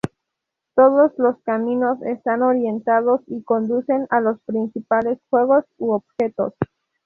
Todos los caminos están orientados y conducen a los principales juegos u objetos.